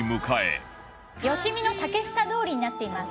吉見の竹下通りになっています。